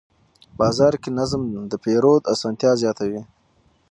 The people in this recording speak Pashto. بازار کې نظم د پیرود اسانتیا زیاتوي